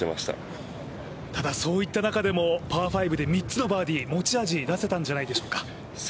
ただそういった中でもパー５で３つのバーディー持ち味出せたんじゃないでしょうか。